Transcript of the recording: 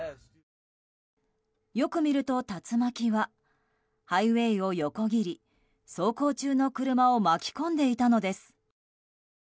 よく見ると竜巻はハイウェーを横切り走行中の車を巻き込んでいたのです。